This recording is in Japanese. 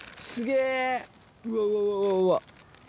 うわうわうわうわ。